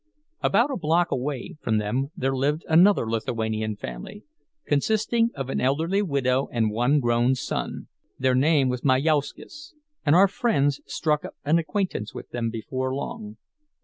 About a block away from them there lived another Lithuanian family, consisting of an elderly widow and one grown son; their name was Majauszkis, and our friends struck up an acquaintance with them before long.